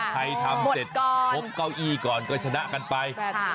ทำเสร็จพบเก้าอี้ก่อนก็ชนะกันไป